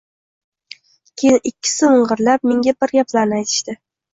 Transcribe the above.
Keyin ikkisi ming‘irlab, menga bir gaplarni aytishdi